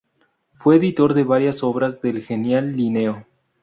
Fue editor de varias obras del genial Linneo.